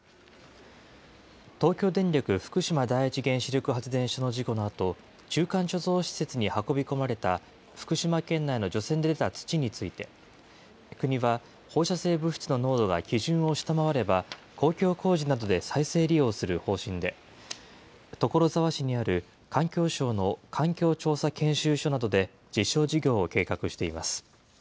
東京電力福島第一原子力発電所の事故のあと、中間貯蔵施設に運び込まれた、福島県内の除染で出た土について、国は放射性物質の濃度が基準を下回れば、公共工事などで再生利用する方針で、所沢市にある環境省の環境調査研修所などで実証事業を計画しています。